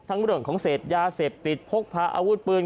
ทั้งเรื่องของเศษยาเศษติดพกพระอาวุธปืน